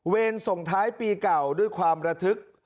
ส่งท้ายปีเก่าด้วยความระทึก